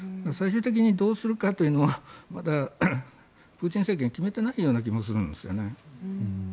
最終的にどうするかというのはプーチン政権は決めてないような気がするんですよね。